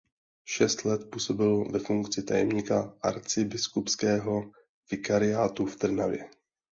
Šest let působil ve funkci tajemníka arcibiskupského vikariátu v Trnavě.